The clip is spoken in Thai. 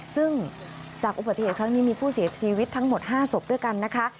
ซึ่งจากอุบัติเหตุครั้งนี้มีผู้เสียชีวิตทั้งหมด๕ศพด้วยกันนะคะ